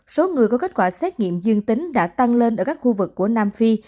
số người có kết quả xét nghiệm dương tính đã tăng lên ở các khu vực của nam phi